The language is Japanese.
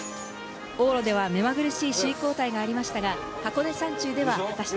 往路では目まぐるしい首位交代がありましたが箱根山中では果たして？